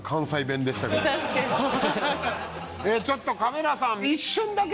ちょっとカメラさん。